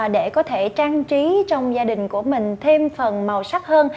để có thể trang trí trong gia đình của mình thêm phần màu sắc hơn